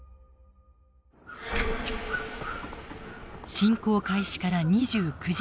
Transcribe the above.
侵攻開始から２９時間。